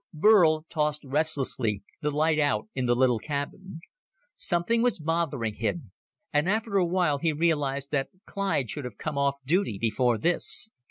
Burl tossed restlessly, the light out in the little cabin. Something was bothering him, and after a while he realized that Clyde should have come off duty before this.